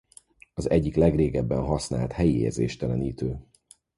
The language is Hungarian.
Az egyik legrégebben használt helyi érzéstelenítő.